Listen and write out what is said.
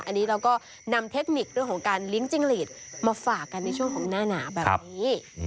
อันนี้เราก็นำเทคนิคเรื่องของการเลี้ยงจิ้งหลีดมาฝากกันในช่วงของหน้าหนาแบบนี้